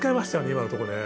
今のとこで。